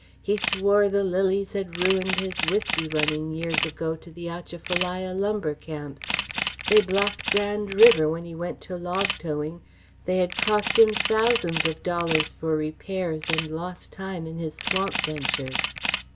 He swore the lilies had ruined his whisky running years ago to the Atchafalaya lumber camps; they blocked Grand River when he went to log towing; they had cost him thousands of dollars for repairs and lost time in his swamp ventures.